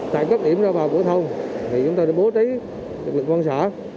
tại cấp điểm ra vào cửa thông chúng ta đã bố trí lực lượng văn xã